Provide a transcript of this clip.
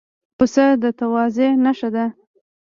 پسه د تواضع نښه ده.